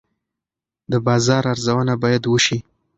د بازار ارزونه باید وشي.